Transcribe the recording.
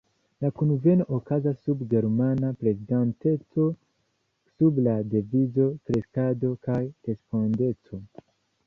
La kunveno okazas sub germana prezidanteco sub la devizo „kreskado kaj respondeco“.